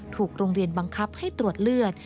ถูกโรงเรียนบังคับให้ตรวจเลือด